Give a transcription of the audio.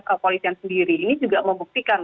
kepolisian sendiri ini juga membuktikan